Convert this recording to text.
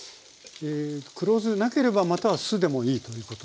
黒酢なければまたは酢でもいいということですか？